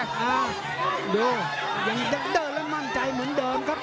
เออดูยังต้องเดินว่ามั่งใจเหมือนเดิมครับ